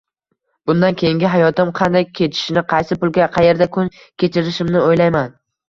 Bundan keyingi hayotim qanday kechishini, qaysi pulga, qaerda kun kechirishimni o`ylayman